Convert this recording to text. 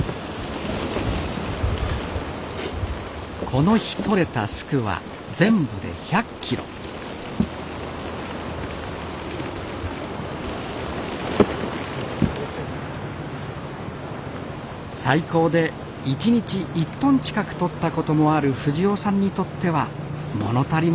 この日取れたスクは全部で１００キロ最高で１日１トン近く取ったこともある藤夫さんにとっては物足りません